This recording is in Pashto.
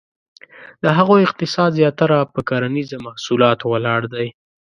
د هغو اقتصاد زیاتره په کرنیزه محصولاتو ولاړ دی.